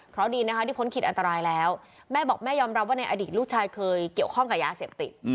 เพราะดีนะคะที่พ้นขีดอันตรายแล้วแม่บอกแม่ยอมรับว่าในอดีตลูกชายเคยเกี่ยวข้องกับยาเสพติด